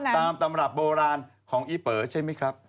ตำรับโบราณของอีเป๋อใช่ไหมครับ